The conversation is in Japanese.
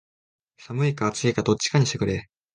寒いか暑いかどっちかにしてくれ